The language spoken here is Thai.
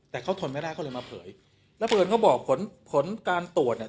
แต่เขาทนไม่ได้เขาเลยมาเผยแล้วเผินเขาบอกผลผลการตรวจเนี่ย